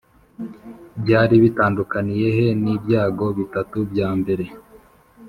Byari bitandukaniye he n ibyago bitatu bya mbere